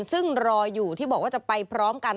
ซึ่งรออยู่ที่บอกว่าจะไปพร้อมกัน